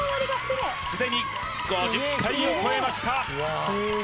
すでに５０回を超えました